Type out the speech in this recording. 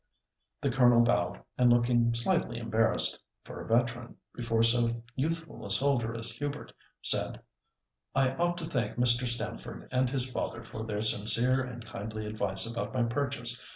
The Colonel bowed, and looking slightly embarrassed, for a veteran, before so youthful a soldier as Hubert, said, "I ought to thank Mr. Stamford and his father for their sincere and kindly advice about my purchase.